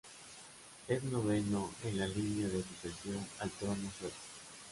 Es noveno en la línea de sucesión al trono sueco.